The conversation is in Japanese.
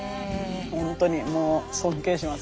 ほんとにもう尊敬します。